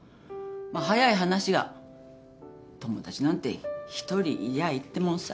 まあ早い話が友達なんて一人いりゃあいいってもんさ。